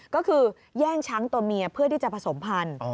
ก็คือแย่งช้างตัวเมียเพื่อที่จะผสมพันธุ์